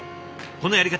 このやり方